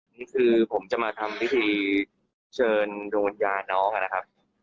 นี่คือผมจะมาทำพิธีเชิญดวงวิญญาณน้องนะครับ